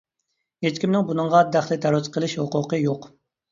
ھېچكىمنىڭ بۇنىڭغا دەخلى-تەرۇز قىلىش ھوقۇقى يوق.